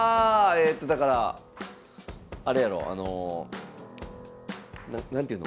えとだからあれやろな何ていうの？